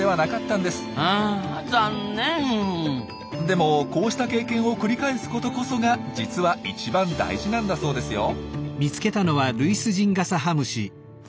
でもこうした経験を繰り返すことこそが実は一番大事なんだそうですよ。